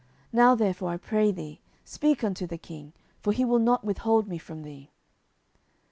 Now therefore, I pray thee, speak unto the king; for he will not withhold me from thee.